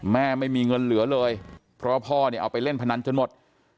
ไม่มีเงินเหลือเลยเพราะว่าพ่อเนี่ยเอาไปเล่นพนันจนหมด